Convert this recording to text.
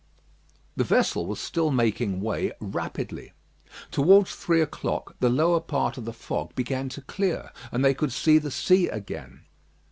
The vessel was still making way rapidly. Towards three o'clock, the lower part of the fog began to clear, and they could see the sea again.